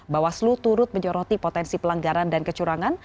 bawaslu turut menyoroti potensi pelanggaran dan kecurangan